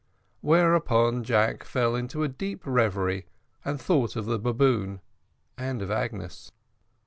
Whereupon Jack fell into a deep reverie, and thought of the baboon and of Agnes.